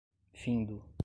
findo